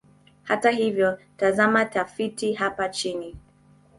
Hata hivyo, tazama tafiti hapa chini.